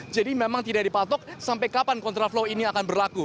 memang tidak dipatok sampai kapan kontraflow ini akan berlaku